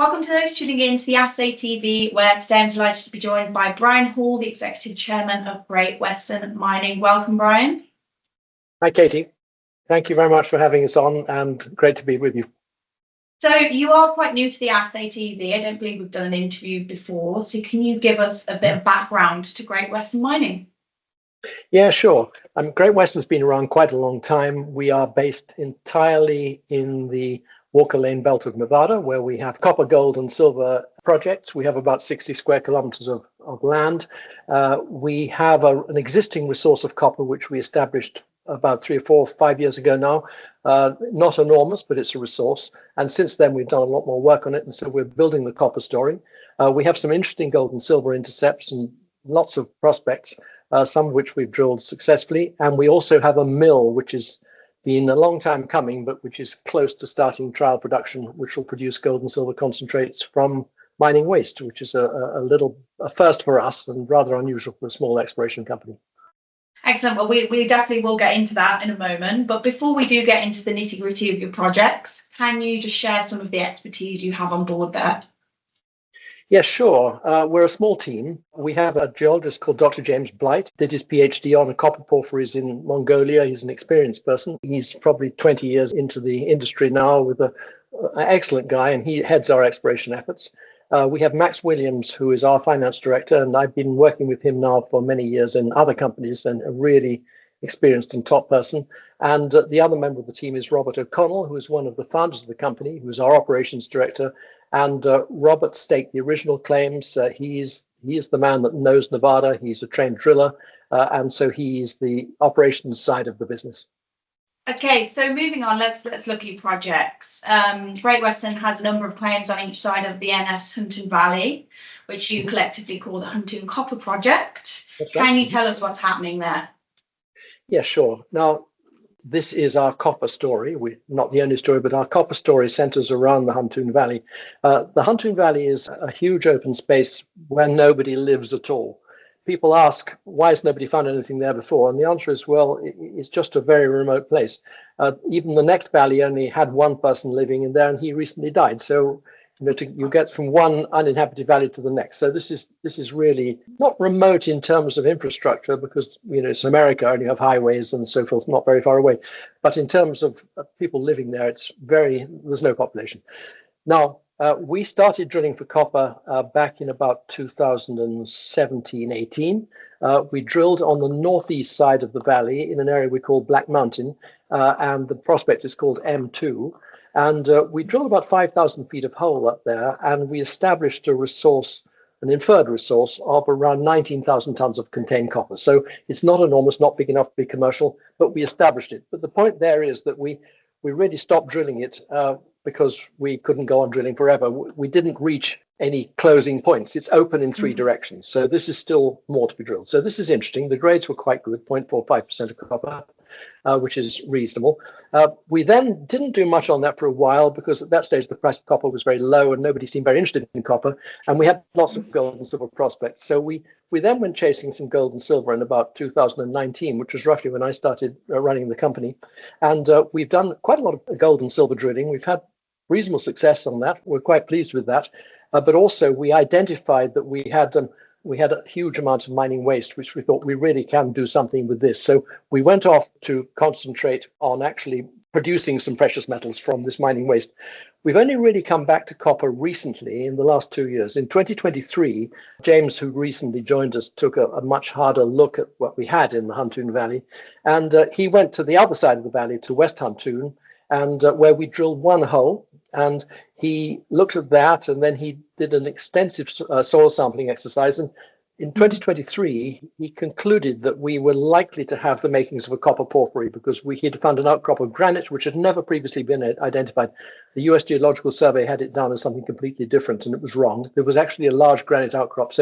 Welcome to those tuning in to Assay TV, where today I'm delighted to be joined by Brian Hall, the Executive Chairman of Great Western Mining. Welcome, Brian. Hi, Katie. Thank you very much for having us on, and great to be with you. You are quite new to the Assay TV. I don't believe we've done an interview before. Can you give us a bit of background to Great Western Mining? Yeah, sure. Great Western's been around quite a long time. We are based entirely in the Walker Lane belt of Nevada, where we have copper, gold, and silver projects. We have about 60 sq km of land. We have an existing resource of copper which we established about three or four, five years ago now. Not enormous, but it's a resource. Since then, we've done a lot more work on it, and so we're building the copper story. We have some interesting gold and silver intercepts and lots of prospects, some of which we've drilled successfully. We also have a mill, which has been a long time coming, but which is close to starting trial production, which will produce gold and silver concentrates from mining waste, which is a first for us and rather unusual for a small exploration company. Excellent. Well, we definitely will get into that in a moment. Before we do get into the nitty-gritty of your projects, can you just share some of the expertise you have on board there? Yeah, sure. We're a small team. We have a geologist called Dr James Blight, did his PhD on the copper porphyries in Mongolia. He's an experienced person. He's probably 20 years into the industry now. Excellent guy, and he heads our exploration efforts. We have Max Williams, who is our Finance Director, and I've been working with him now for many years in other companies, and a really experienced and top person. The other member of the team is Robert O'Connell, who is one of the founders of the company, who's our Operations Director, and Robert staked the original claims. He is the man that knows Nevada. He's a trained driller, and so he's the operations side of the business. Okay. Moving on, let's look at your projects. Great Western has a number of claims on each side of the N.S. Huntoon Valley, which you collectively call the Huntoon Copper Project. That's right. Can you tell us what's happening there? Yeah, sure. Now, this is our copper story. Not the only story, but our copper story centers around the Huntoon Valley. The Huntoon Valley is a huge open space where nobody lives at all. People ask, "Why has nobody found anything there before?" And the answer is, well, it's just a very remote place. Even the next valley only had one person living in there, and he recently died. So you get from one uninhabited valley to the next. So this is really not remote in terms of infrastructure because it's America and you have highways and so forth not very far away. But in terms of people living there's no population. Now, we started drilling for copper back in about 2017, '18. We drilled on the northeast side of the valley in an area we call Black Mountain, and the prospect is called M2. We drilled about 5,000 ft of hole up there, and we established a resource, an Inferred Resource of around 19,000 tons of contained copper. It's not enormous, not big enough to be commercial, but we established it. The point there is that we really stopped drilling it because we couldn't go on drilling forever. We didn't reach any closing points. It's open in three directions. This is still more to be drilled. This is interesting. The grades were quite good, 0.45% of copper, which is reasonable. We then didn't do much on that for a while because at that stage, the price of copper was very low and nobody seemed very interested in copper. We had lots of gold and silver prospects. We then went chasing some gold and silver in about 2019, which was roughly when I started running the company. We've done quite a lot of gold and silver drilling. We've had reasonable success on that. We're quite pleased with that. Also we identified that we had a huge amount of mining waste, which we thought we really can do something with this. We went off to concentrate on actually producing some precious metals from this mining waste. We've only really come back to copper recently in the last two years. In 2023, James, who recently joined us, took a much harder look at what we had in the Huntoon Valley. He went to the other side of the valley to West Huntoon, where we drilled one hole, and he looked at that, and then he did an extensive soil sampling exercise. In 2023, he concluded that we were likely to have the makings of a copper porphyry because he'd found an outcrop of granite which had never previously been identified. The U.S. Geological Survey had it down as something completely different, and it was wrong. It was actually a large granite outcrop.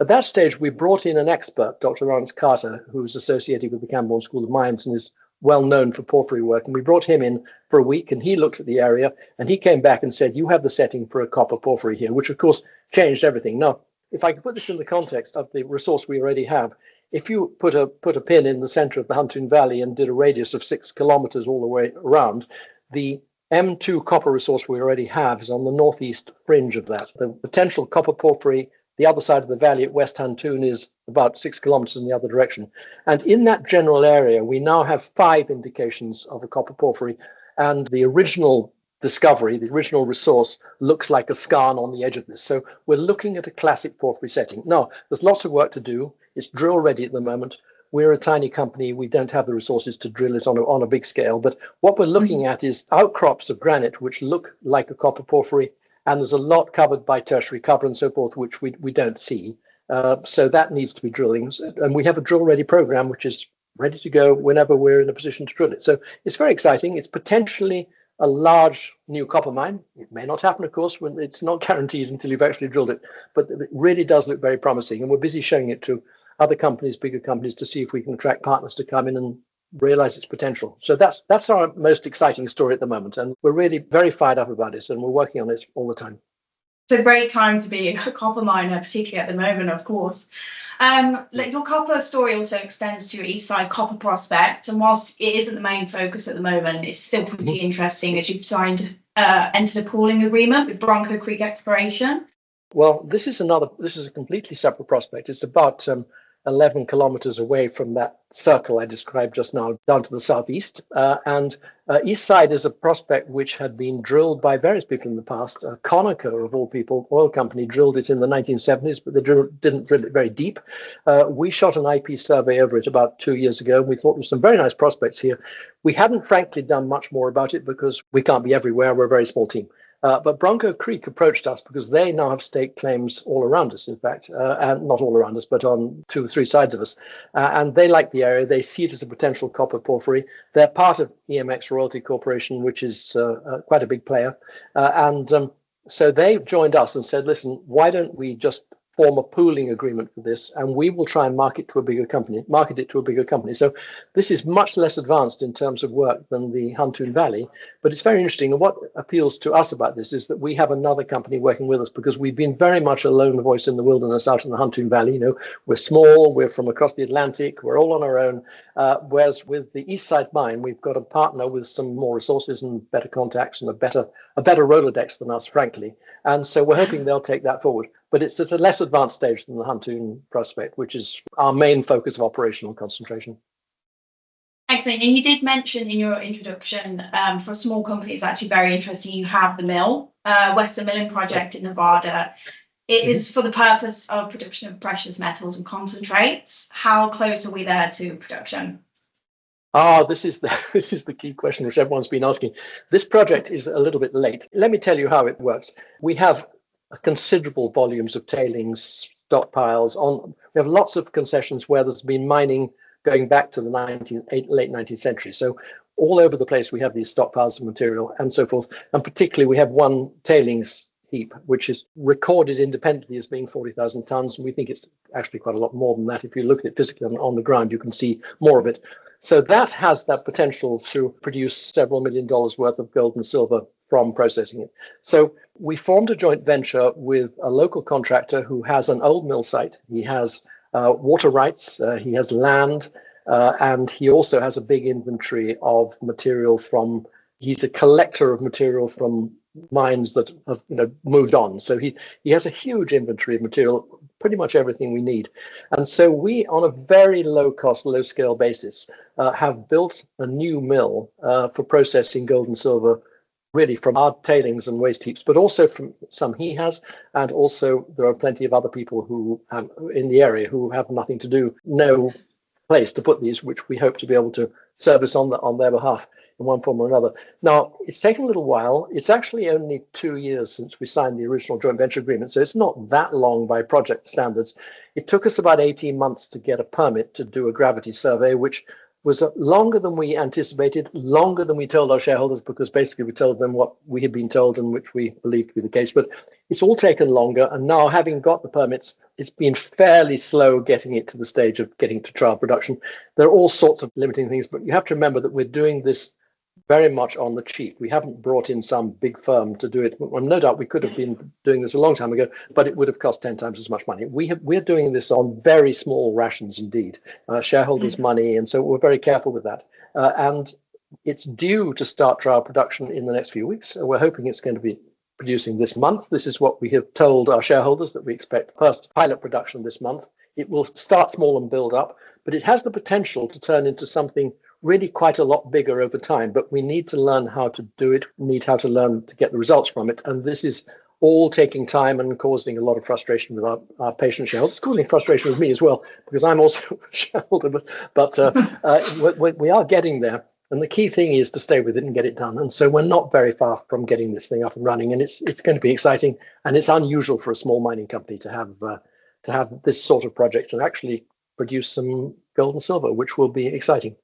At that stage, we brought in an expert, Dr Laurence Carter, who was associated with the Camborne School of Mines and is well-known for porphyry work, and we brought him in for a week, and he looked at the area, and he came back and said, "You have the setting for a copper porphyry here," which of course changed everything. Now, if I can put this in the context of the resource we already have. If you put a pin in the center of the Huntoon Valley and did a radius of 6 km all the way around, the M2 copper resource we already have is on the northeast fringe of that. The potential copper porphyry, the other side of the valley at West Huntoon is about 6 km in the other direction. And in that general area, we now have five indications of a copper porphyry, and the original discovery, the original resource looks like a scar on the edge of this. So we're looking at a classic porphyry setting. Now, there's lots of work to do. It's drill-ready at the moment. We're a tiny company. We don't have the resources to drill it on a big scale. What we're looking at is outcrops of granite, which look like a copper porphyry, and there's a lot covered by Tertiary cover and so forth, which we don't see. That needs to be drilling. We have a drill-ready program which is ready to go whenever we're in a position to drill it. It's very exciting. It's potentially a large, new copper mine. It may not happen, of course. It's not guaranteed until you've actually drilled it, but it really does look very promising, and we're busy showing it to other companies, bigger companies, to see if we can attract partners to come in and realize its potential. That's our most exciting story at the moment, and we're really very fired up about it, and we're working on it all the time. It's a great time to be a copper miner, particularly at the moment, of course. Your copper story also extends to your Eastside copper prospect, and whilst it isn't the main focus at the moment, it's still pretty interesting as you've entered a pooling agreement with Bronco Creek Exploration. Well, this is a completely separate prospect. It's about 11 km away from that circle I described just now, down to the southeast. Eastside is a prospect which had been drilled by various people in the past. Conoco of all people, oil company, drilled it in the 1970s, but they didn't drill it very deep. We shot an IP survey over it about two years ago, and we thought there were some very nice prospects here. We haven't frankly done much more about it because we can't be everywhere. We're a very small team. Bronco Creek approached us because they now have stake claims all around us, in fact, not all around us, but on two or three sides of us. They like the area. They see it as a potential copper porphyry. They're part of EMX Royalty Corporation, which is quite a big player. They joined us and said, "Listen, why don't we just form a pooling agreement for this and we will try and market it to a bigger company." This is much less advanced in terms of work than the Huntoon Valley, but it's very interesting. What appeals to us about this is that we have another company working with us because we've been very much a lone voice in the wilderness out in the Huntoon Valley. We're small, we're from across the Atlantic, we're all on our own. Whereas with the Eastside Mine, we've got a partner with some more resources and better contacts and a better Rolodex than us, frankly. We're hoping they'll take that forward. It's at a less advanced stage than the Huntoon prospect, which is our main focus of operational concentration. Excellent. You did mention in your introduction, for a small company, it's actually very interesting you have the Western Mill project in Nevada. Yeah. It is for the purpose of production of precious metals and concentrates. How close are we there to production? This is the key question which everyone's been asking. This project is a little bit late. Let me tell you how it works. We have considerable volumes of tailings, stockpiles. We have lots of concessions where there's been mining going back to the late 19th century. All over the place, we have these stockpiles of material and so forth. Particularly, we have one tailings heap, which is recorded independently as being 40,000 tons. We think it's actually quite a lot more than that. If you look at it physically on the ground, you can see more of it. That has that potential to produce several million dollars worth of gold and silver from processing it. We formed a joint venture with a local contractor who has an old mill site. He has water rights. He has land. He also has a big inventory of material. He's a collector of material from mines that have moved on. He has a huge inventory of material, pretty much everything we need. We, on a very low cost, low scale basis, have built a new mill for processing gold and silver, really from our tailings and waste heaps, but also from some he has, and also there are plenty of other people in the area who have nothing to do, no place to put these, which we hope to be able to service on their behalf in one form or another. Now, it's taken a little while. It's actually only two years since we signed the original joint venture agreement, so it's not that long by project standards. It took us about 18 months to get a permit to do a gravity survey, which was longer than we anticipated, longer than we told our shareholders, because basically we told them what we had been told and which we believed to be the case. It's all taken longer, and now having got the permits, it's been fairly slow getting it to the stage of getting to trial production. There are all sorts of limiting things, but you have to remember that we're doing this very much on the cheap. We haven't brought in some big firm to do it. Well, no doubt we could have been doing this a long time ago, but it would have cost 10x as much money. We're doing this on very small rations indeed, shareholders' money, and so we're very careful with that. It's due to start trial production in the next few weeks. We're hoping it's going to be producing this month. This is what we have told our shareholders that we expect first pilot production this month. It will start small and build up, but it has the potential to turn into something really quite a lot bigger over time. We need to learn how to do it, need how to learn to get the results from it, and this is all taking time and causing a lot of frustration with our patient shareholders, causing frustration with me as well because I'm also a shareholder. We are getting there. The key thing is to stay with it and get it done. We're not very far from getting this thing up and running. It's going to be exciting. It's unusual for a small mining company to have this sort of project and actually produce some gold and silver, which will be exciting.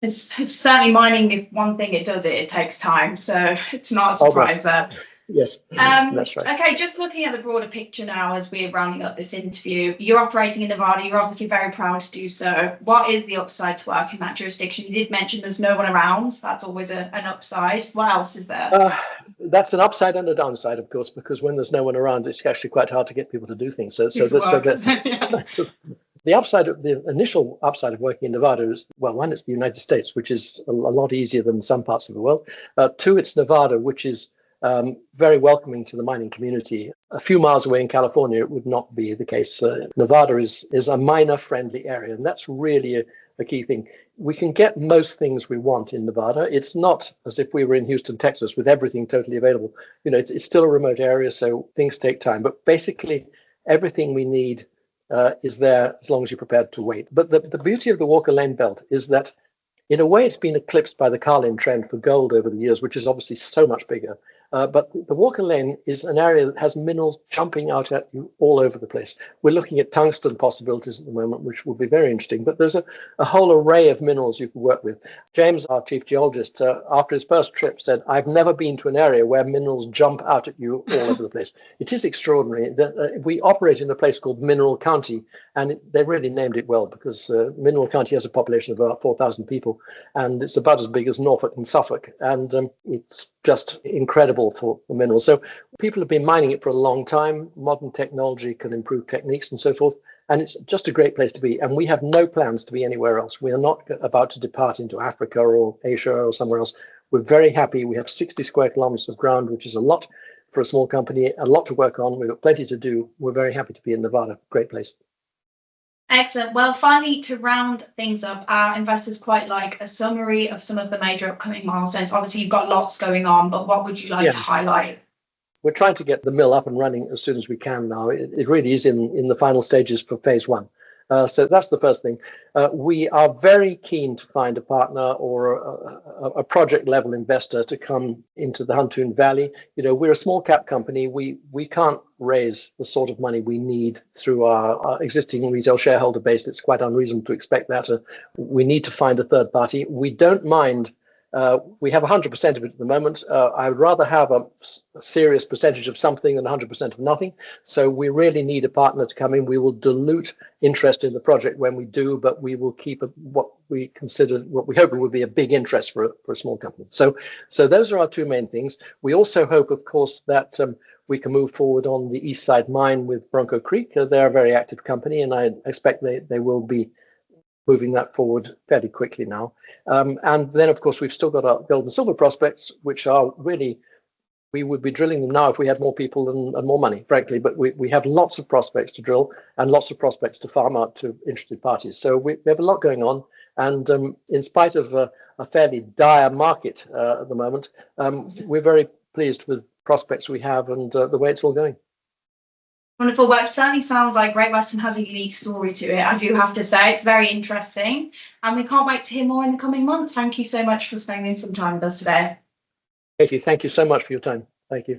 It's certainly mining. If one thing it does, it takes time. It's no surprise there. Oh, yes. That's right. Okay, just looking at the broader picture now as we're rounding up this interview. You're operating in Nevada. You're obviously very proud to do so. What is the upside to working in that jurisdiction? You did mention there's no one around. That's always an upside. What else is there? That's an upside and a downside, of course, because when there's no one around, it's actually quite hard to get people to do things. Give work. The initial upside of working in Nevada is, well, one, it's the United States, which is a lot easier than some parts of the world. Two, it's Nevada, which is very welcoming to the mining community. A few miles away in California, it would not be the case. Nevada is a miner-friendly area, and that's really a key thing. We can get most things we want in Nevada. It's not as if we were in Houston, Texas, with everything totally available. It's still a remote area, so things take time. Basically, everything we need is there as long as you're prepared to wait. The beauty of the Walker Lane belt is that in a way it's been eclipsed by the Carlin Trend for gold over the years, which is obviously so much bigger. The Walker Lane is an area that has minerals jumping out at you all over the place. We're looking at tungsten possibilities at the moment, which will be very interesting. There's a whole array of minerals you can work with. James, our Chief Geologist, after his first trip, said, "I've never been to an area where minerals jump out at you all over the place." It is extraordinary that we operate in a place called Mineral County, and they've really named it well because Mineral County has a population of about 4,000 people, and it's about as big as Norfolk and Suffolk, and it's just incredible for minerals. People have been mining it for a long time. Modern technology can improve techniques and so forth, and it's just a great place to be. We have no plans to be anywhere else. We are not about to depart into Africa or Asia or somewhere else. We're very happy. We have 60 sq km of ground, which is a lot for a small company, a lot to work on. We've got plenty to do. We're very happy to be in Nevada, great place. Excellent. Well, finally, to round things up, our investors quite like a summary of some of the major upcoming milestones. Obviously, you've got lots going on. Yeah To highlight? We're trying to get the mill up and running as soon as we can now. It really is in the final stages for phase I. So that's the first thing. We are very keen to find a partner or a project-level investor to come into the Huntoon Valley. We're a small cap company. We can't raise the sort of money we need through our existing retail shareholder base. It's quite unreasonable to expect that. We need to find a third party. We don't mind. We have 100% of it at the moment. I would rather have a serious percentage of something than 100% of nothing. So we really need a partner to come in. We will dilute interest in the project when we do, but we will keep what we hope would be a big interest for a small company. So, those are our two main things. We also hope, of course, that we can move forward on the Eastside Mine with Bronco Creek. They're a very active company, and I expect they will be moving that forward fairly quickly now. Of course, we've still got to build the silver prospects. We would be drilling them now if we had more people and more money, frankly. We have lots of prospects to drill and lots of prospects to farm out to interested parties. We have a lot going on. In spite of a fairly dire market at the moment, we're very pleased with the prospects we have and the way it's all going. Wonderful. Well, it certainly sounds like Great Western has a unique story to it, I do have to say. It's very interesting, and we can't wait to hear more in the coming months. Thank you so much for spending some time with us today. Katie, thank you so much for your time. Thank you.